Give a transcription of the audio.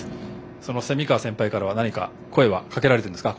その蝉川先輩から何か声はかけられたんですか？